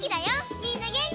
みんなげんき？